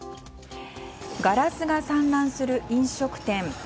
ガラスが散乱する飲食店。